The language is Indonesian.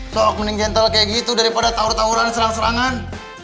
sok mending gentle kayak gitu daripada tauran tauran serangan serangan